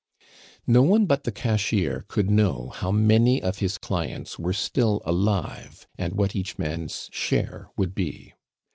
No one but the cashier could know how many of his clients were still alive, and what each man's share would be.